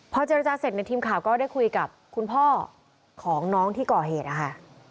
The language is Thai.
พอเจรจาเสร็จในทีมข่าวก็ได้คุยกับคุณพ่อของน้องที่ก่อเหตุนะคะ